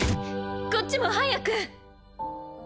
こっちも早く！